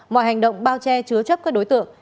mọi hành động bao che chứa chấp các đối tượng